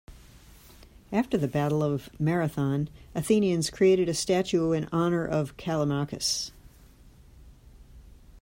After the battle of Marathon, Athenians created a statue in honour of Callimachus.